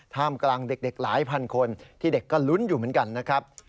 ท่ามกลางเด็กหลายพันคนที่เด็กก็ลุ้นอยู่เหมือนกันนะครับ